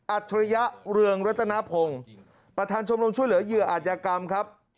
ฉริยะเรืองรัตนพงศ์ประธานชมรมช่วยเหลือเหยื่ออาจยากรรมครับ